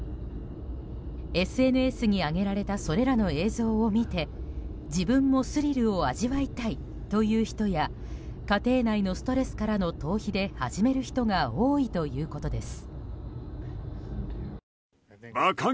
ＳＮＳに上げられたそれらの映像を見て自分もスリルを味わいたいという人や家庭内のストレスからの逃避で始める人が多いということです。